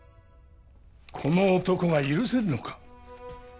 この男が許せるのか？